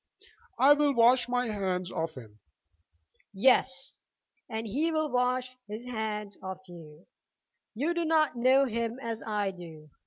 "I will wash my hands of him." "Yes; and he will wash his hands of you. You do not know him as I do.